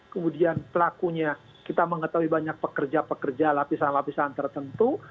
kemudian pelakunya kita mengetahui banyak pekerja pekerja lapisan lapisan tertentu